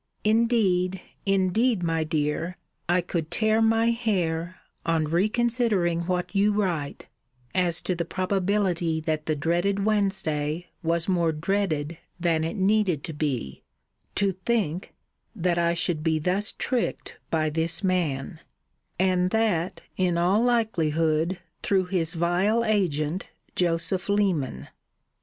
Indeed, indeed, my dear, I could tear my hair, on reconsidering what you write (as to the probability that the dreaded Wednesday was more dreaded than it needed to be) to think, that I should be thus tricked by this man; and that, in all likelihood, through his vile agent Joseph Leman.